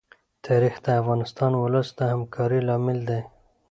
تاریخ د خپل ولس د همکارۍ لامل دی.